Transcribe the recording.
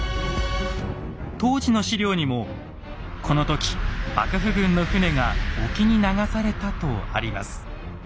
当時の史料にも「この時幕府軍の船が沖に流された」とあります。